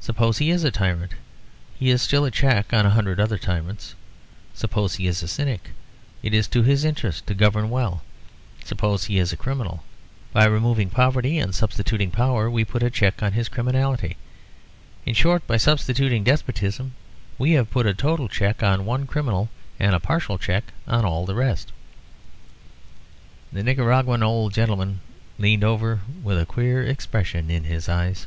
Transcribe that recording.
"Suppose he is a tyrant he is still a check on a hundred tyrants. Suppose he is a cynic, it is to his interest to govern well. Suppose he is a criminal by removing poverty and substituting power, we put a check on his criminality. In short, by substituting despotism we have put a total check on one criminal and a partial check on all the rest." The Nicaraguan old gentleman leaned over with a queer expression in his eyes.